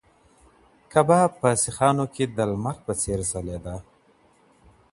کباب په سیخانو کې د لمر په څېر ځلېده.